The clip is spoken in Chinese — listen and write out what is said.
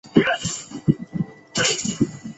诺贝尔和平奖颁发。